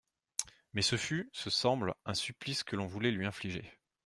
Mais ce fut, ce semble, un supplice que l'on voulait lui infliger.